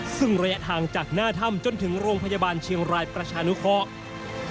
ซึ่งระยะทางจากหน้าถ้ำจนถึงโรงพยาบาลเชียงรายประชานุเคราะห์